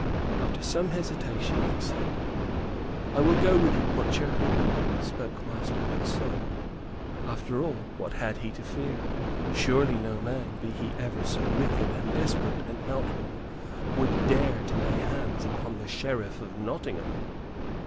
After some hesitation, "I will go with you, butcher," spoke Master Monceux. After all, what had he to fear? Surely no man, be he ever so wicked and desperate an outlaw, would dare to lay hands upon the Sheriff of Nottingham!